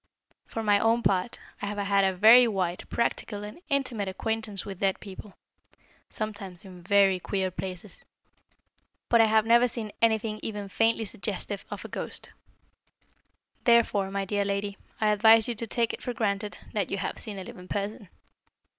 For my own part, I have had a very wide, practical, and intimate acquaintance with dead people sometimes in very queer places but I have never seen anything even faintly suggestive of a ghost. Therefore, my dear lady, I advise you to take it for granted that you have seen a living person."